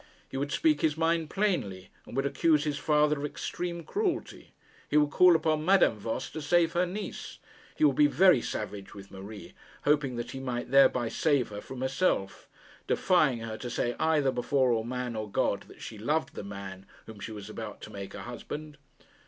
He would speak his mind plainly, and would accuse his father of extreme cruelty. He would call upon Madame Voss to save her niece. He would be very savage with Marie, hoping that he might thereby save her from herself, defying her to say either before man or God that she loved the man whom she was about to make her husband.